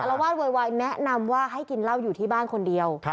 ละวาดโวยวายแนะนำว่าให้กินเหล้าอยู่ที่บ้านคนเดียว